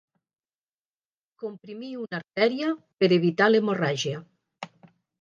Comprimir una artèria per evitar l'hemorràgia.